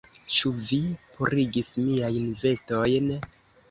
Ĉu vi purigis miajn vestojn?